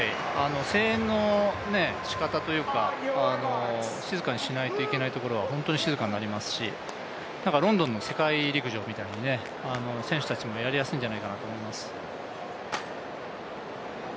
声援のしかたというか、静かにしないといけないところは本当に静かになりますしロンドンの世界陸上みたいに選手たちもやりやすいんじゃないかと思います。